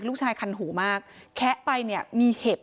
คันหูมากแคะไปเนี่ยมีเห็บ